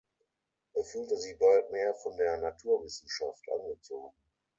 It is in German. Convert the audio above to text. Er fühlte sich bald mehr von der Naturwissenschaft angezogen.